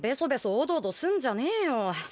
おどおどすんじゃねえよ。